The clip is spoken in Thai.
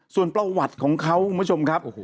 ส่วนประวัติของเขาคุณผู้ชมครับ